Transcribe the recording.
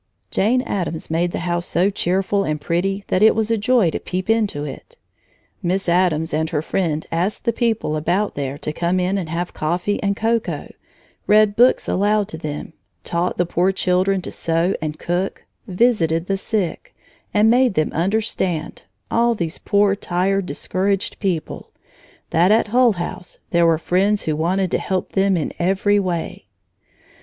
Jane Addams made the house so cheerful and pretty that it was a joy to peep into it. Miss Addams and her friend asked the people about there to come in and have coffee and cocoa, read books aloud to them, taught the poor children to sew and cook, visited the sick, and made them understand all these poor, tired, discouraged people that at Hull House there were friends who wanted to help them in every way.